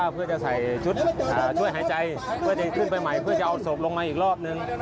เพื่อจะใส่ชุดช่วยหายใจเพื่อจะขึ้นไปใหม่เพื่อจะเอาศพลงมาอีกรอบนึง